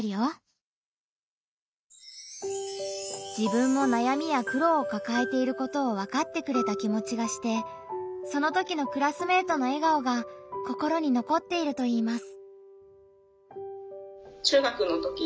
自分も悩みや苦労をかかえていることを分かってくれた気持ちがしてそのときのクラスメートの笑顔が心に残っているといいます。